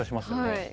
はい。